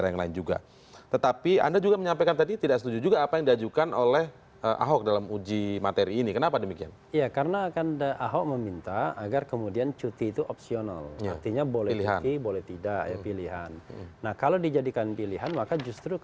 sampai jumpa di video komersial tetaplah bersama kami di cnn indonesia prime news